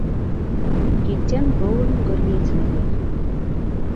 Kitiem koun ngoriet ne lel